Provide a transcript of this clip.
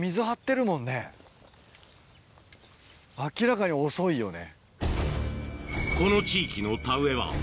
明らかに遅いよね。